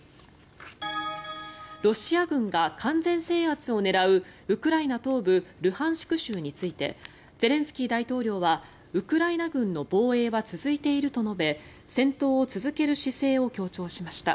ロシア軍が完全制圧を狙うウクライナ東部ルハンシク州についてゼレンスキー大統領はウクライナ軍の防衛は続いていると述べ戦闘を続ける姿勢を強調しました。